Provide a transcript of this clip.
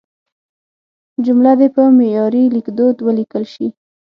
جملې دې په معیاري لیکدود ولیکل شي.